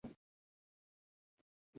توپک کتاب نه پېژني.